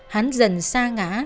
hắn dần xa ngã